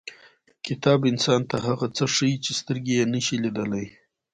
• کتاب انسان ته هغه څه ښیي چې سترګې یې نشي لیدلی.